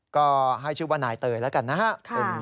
ก็ให้ชื่อว่านายเตยแล้วกันนะฮะ